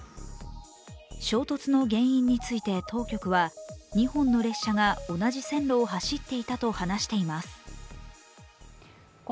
衝突の原因について当局は２本の列車が同じ線路を走っていたと話しています。